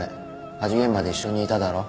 火事現場で一緒にいただろ